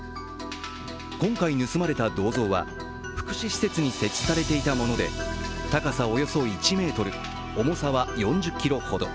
今回盗まれた銅像は、福祉施設に設置されていたもので高さおよそ１ｍ、重さは４０ｋｇほど。